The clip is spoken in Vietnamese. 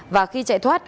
và khi chạy thoát